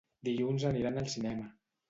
Dilluns aniran al cinema.